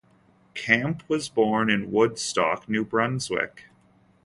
Camp was born in Woodstock, New Brunswick.